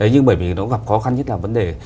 nhưng bởi vì nó gặp khó khăn nhất là vấn đề